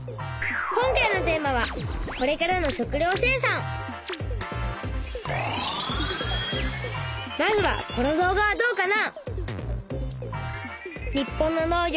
今回のテーマはまずはこの動画はどうかな。